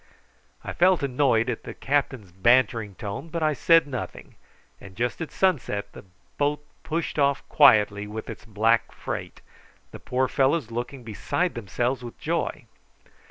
I felt annoyed at the captain's bantering tone, but I said nothing; and just at sunset the boat pushed off quietly with its black freight, the poor fellows looking beside themselves with joy.